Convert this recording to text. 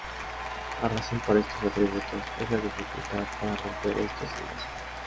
La razón para estos atributos es la dificultad, para romper estos enlaces.